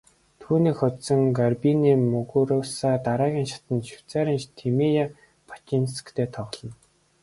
Түүнийг хожсон Гарбинэ Мугуруса дараагийн шатанд Швейцарын Тимея Бачинскитэй тоглоно.